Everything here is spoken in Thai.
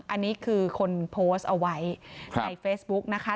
อันนี้คือคนโพสต์เอาไว้ในเฟซบุ๊กนะคะ